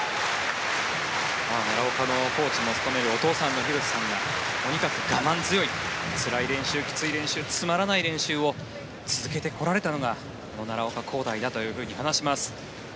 奈良岡のコーチを務めるお兄さんがとにかく我慢強いつらい練習、きつい練習つまらない練習を続けてこられたのがこの奈良岡功大だと話します。